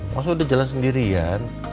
masa udah jalan sendirian